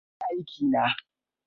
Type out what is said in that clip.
Na yi aikina.